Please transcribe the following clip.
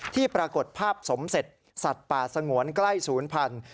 ปรากฏภาพสมเสร็จสัตว์ป่าสงวนใกล้ศูนย์พันธุ์